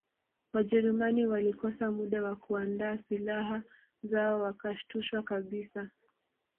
Wajerumani walikosa muda wa kuandaa silaha zao wakashtushwa kabisa